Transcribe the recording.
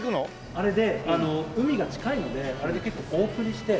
あれであの海が近いのであれで結構お送りして海の。